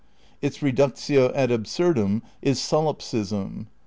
Its reductio ad absurdum is Solipsism.